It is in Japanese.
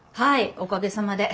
おかげさまで。